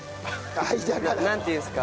なんていうんですか？